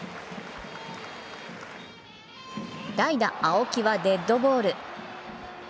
代打・青木はデッドボール。